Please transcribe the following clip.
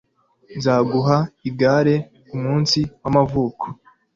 Nzaguha igare kumunsi wamavuko.